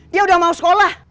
dia udah mau sekolah